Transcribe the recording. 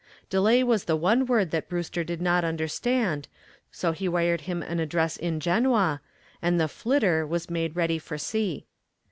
Delay was the one word that Brewster did not understand, so he wired him an address in Genoa, and the "Flitter" was made ready for sea.